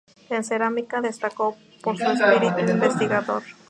En cerámica destacó por su espíritu investigador.